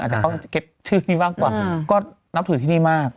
แต่เขาจะเก็ตชื่อนี้มากกว่าก็นับถือที่นี่มาก